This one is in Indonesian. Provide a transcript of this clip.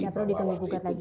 kita perlu dikemukakan lagi